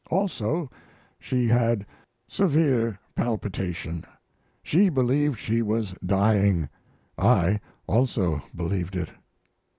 Also she had severe palpitation. She believed she was dying. I also believed it.